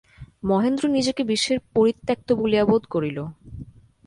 মহেন্দ্র নিজেকে বিশ্বের পরিত্যক্ত বলিয়া বোধ করিল।